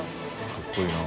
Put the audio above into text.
かっこいいな。